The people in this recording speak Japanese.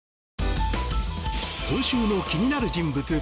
今週の気になる人物